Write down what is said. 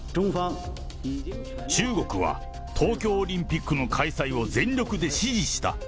中国は東京オリンピックの開催を全力で支持した。